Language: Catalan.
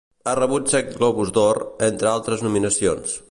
Ha rebut set Globus d'Or, entre altres nominacions.